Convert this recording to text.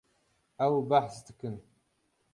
Ew behs dikin.